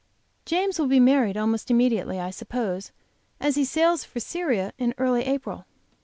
James will be married almost immediately, I suppose, as he sails for Syria early in April.